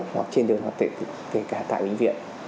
hoặc trên đường hoặc kể cả tại bệnh viện